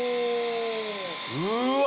うわ！